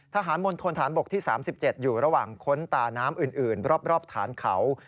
มณฑนฐานบกที่๓๗อยู่ระหว่างค้นตาน้ำอื่นรอบฐานเขา